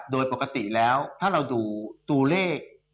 โดยปกติแล้วถ้าเราดูตัวเลข